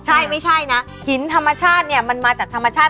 ใช่ไม่ใช่นะหินธรรมชาติเนี่ยมันมาจากธรรมชาติ